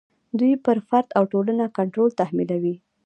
دوی پر فرد او ټولنه کنټرول تحمیلوي.